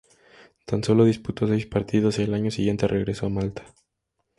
Tan solo disputó seis partidos y al año siguiente regresó a Malta.